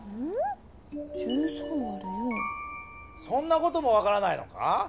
そんなこともわからないのか？